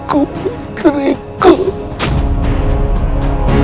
dia mas rara sangta